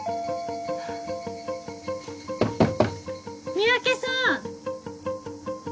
三宅さん！